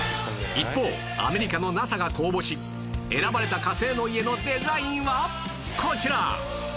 一方アメリカの ＮＡＳＡ が公募し選ばれた火星の家のデザインはこちら！